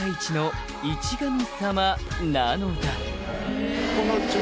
「なのだ」